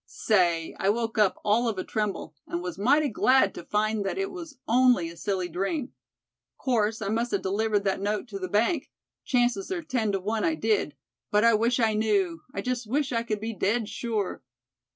Say, I woke up all of a tremble, and was mighty glad to find that it was only a silly dream. Course I must a delivered that note to the bank; chances they're ten to one I did; but I wish I knew; I just wish I could be dead sure!"